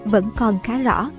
vẫn còn khá rõ